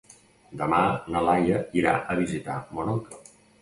Demà na Laia irà a visitar mon oncle.